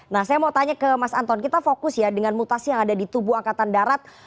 nah saya mau tanya ke mas anton kita fokus ya dengan mutasi yang ada di tubuh angkatan darat